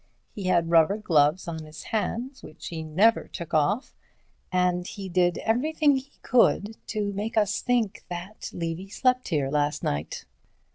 He had rubber gloves on his hands which he never took off, and he did everything he could to make us think that Levy slept here last night.